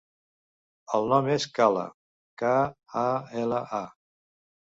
El nom és Kala: ca, a, ela, a.